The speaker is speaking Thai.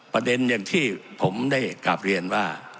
ประเด็นที่ผมได้กลับเรียนว่า